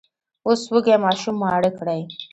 اوس وږي ماشومان ماړه کړئ!